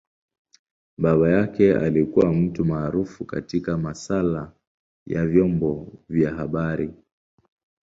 Baba yake alikua mtu maarufu katika masaala ya vyombo vya habari.